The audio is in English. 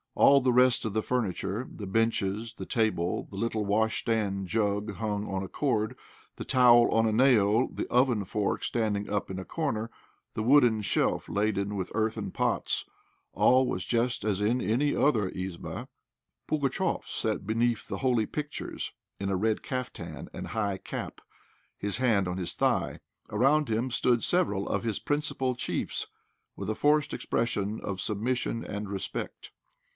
All the rest of the furniture, the benches, the table, the little washstand jug hung to a cord, the towel on a nail, the oven fork standing up in a corner, the wooden shelf laden with earthen pots, all was just as in any other "izbá. Pugatchéf sat beneath the holy pictures in a red caftan and high cap, his hand on his thigh. Around him stood several of his principal chiefs, with a forced expression of submission and respect.